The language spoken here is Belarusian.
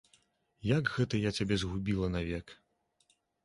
Як гэта я цябе згубіла навек?